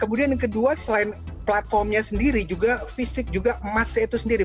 kemudian yang kedua selain platformnya sendiri juga fisik juga emasnya itu sendiri